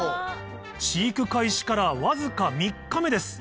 飼育開始からわずか３日目です